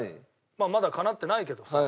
まあまだかなってないけどさ。